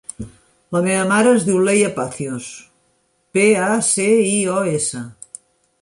La meva mare es diu Leia Pacios: pe, a, ce, i, o, essa.